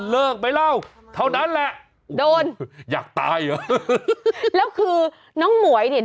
เลิกไหมเล่าเท่านั้นแหละโดนอยากตายเหรอแล้วคือน้องหมวยเนี่ย